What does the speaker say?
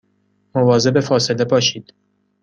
مواظب فاصله باشید